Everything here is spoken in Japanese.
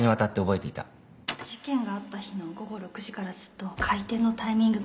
事件があった日の午後６時からずっと回転のタイミングが